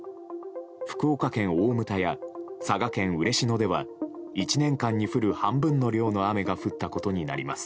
福岡県大牟田や佐賀県嬉野では１年間に降る半分の量の雨が降ったことになります。